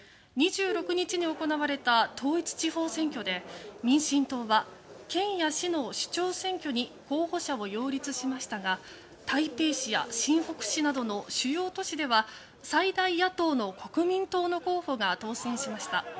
２６日に行われた統一地方選挙で民進党は、県や市の首長選挙に候補者を擁立しましたが台北市や新北市などの主要都市では最大野党の国民党の候補が当選しました。